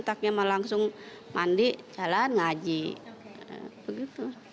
tapi memang langsung mandi jalan ngaji begitu